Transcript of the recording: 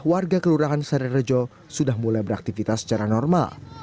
warga kelurahan sari rejo sudah mulai beraktivitas secara normal